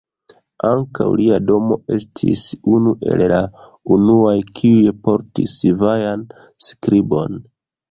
Ankaŭ, lia domo estis unu el la unuaj kiuj portis vajan skribon.